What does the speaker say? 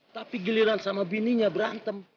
tapi giliran sama bininya berantem